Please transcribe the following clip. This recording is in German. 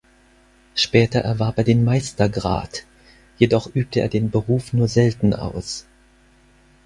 Später erwarb er den Meistergrad, jedoch übte er den Beruf nur selten aus.